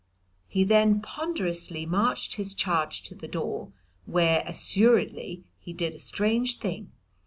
He then ponderously marched his charge to the door, where, assuredly, he did a strange thing.